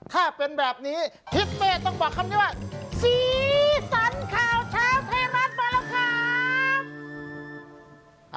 ถ้าเป็นแบบนี้ทิศเป้ต้องบอกคำนี้ว่าสีสันข่าวเช้าไทยรัฐมาแล้วครับ